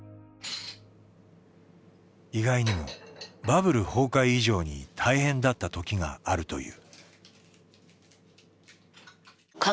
意外にもバブル崩壊以上に大変だった時があるという。